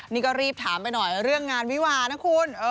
นี่ก็รีบถามไปหน่อยเรื่องงานวิวานะคุณ